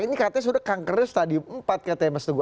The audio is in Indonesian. ini katanya sudah kangkernya tadi empat katanya mas tugu